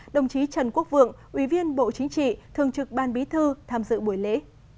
đồng chí trần quốc vượng ủy viên bộ chính trị thường trực ban bí thư tham dự buổi lễ